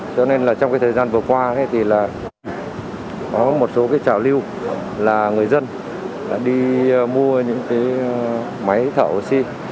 cho nên là trong cái thời gian vừa qua thì là có một số cái trào lưu là người dân đi mua những cái máy thở oxy